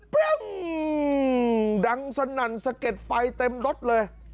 ดังสนั่นสะเก็ดไฟเต็มรถเลย